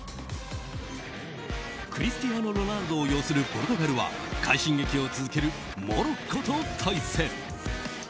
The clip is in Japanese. クリスティアーノ・ロナウドを擁するポルトガルは快進撃を続けるモロッコと対戦。